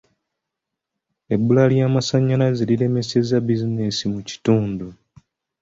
Ebbula ly'amasannyalaze liremesezza bizinensi mu kitundu.